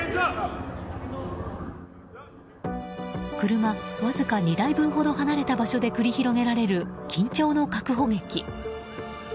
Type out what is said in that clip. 車わずか２台分ほど離れた場所で繰り広げられる緊張の確保劇。